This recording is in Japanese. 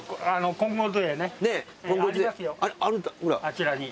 あちらに。